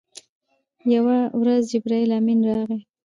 یوه ورځ جبرائیل امین راغی.